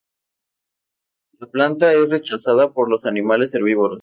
La planta es rechazada por los animales herbívoros.